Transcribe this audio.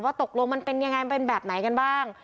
ตกลงมันเป็นยังไงมันเป็นแบบไหนกันบ้าง